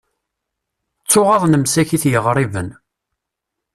Ttuɣaḍen msakit yiɣriben.